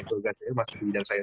jadi ini karena mempunyai sikap saya